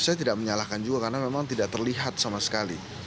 saya tidak menyalahkan juga karena memang tidak terlihat sama sekali